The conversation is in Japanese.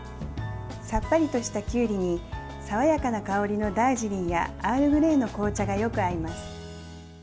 さっぱりとしたきゅうりに爽やかな香りのダージリンやアールグレイの紅茶がよく合います。